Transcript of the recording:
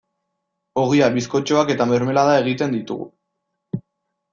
Ogia, bizkotxoak eta mermelada egiten ditugu.